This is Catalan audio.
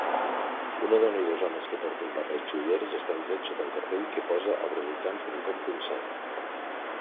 Una dona i dos homes que porten barrets i ulleres estan drets sota un cartell que posa avrovulcan.com.sign.